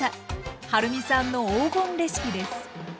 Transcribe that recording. はるみさんの黄金レシピです。